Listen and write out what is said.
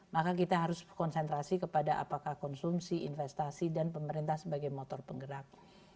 maka kita harus konsentrasi kepada apakah konsumsi investasi dan pemerintah sebagai motor penggerak